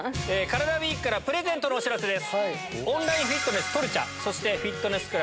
カラダＷＥＥＫからプレゼントのお知らせです。